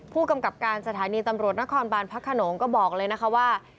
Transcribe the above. ผู้กำกับการสถานีตำรวจนครบานพระขนงก็บอกเลยนะคะว่า